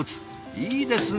いいですね！